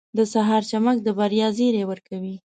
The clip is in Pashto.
• د سهار چمک د بریا زیری ورکوي.